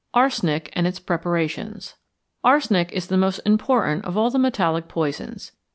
ARSENIC AND ITS PREPARATIONS =Arsenic= is the most important of all the metallic poisons.